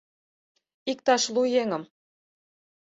Иктаж лу еҥым.